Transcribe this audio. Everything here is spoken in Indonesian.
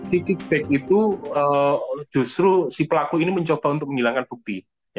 titik back itu justru si pelaku ini mencoba untuk menghilangkan bukti